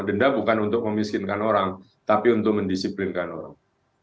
denda bukan untuk memiskinkan orang tapi untuk mendisiplinkan orang